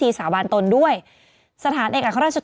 มีสารตั้งต้นเนี่ยคือยาเคเนี่ยใช่ไหมคะ